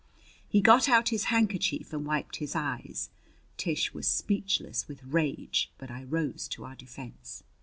He got out his handkerchief and wiped his eyes. Tish was speechless with rage, but I rose to our defense.